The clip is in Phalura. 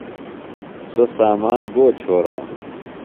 سوۡ سامان گو چھرانُوۡ؟